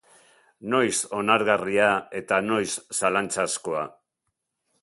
Noiz onargarria eta noiz zalantzazkoa?